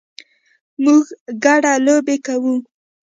موږ ګډه لوبې کوو